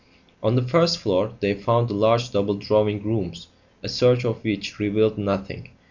On the first floor they found the large double drawing rooms, a search of which revealed nothing.